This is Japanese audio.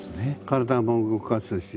体も動かすし。